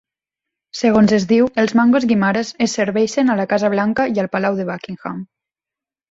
Segons es diu, els mangos Guimaras es serveixen a la Casa Blanca i al Palau de Buckingham.